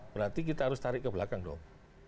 berarti kita harus tarik ke belakang dong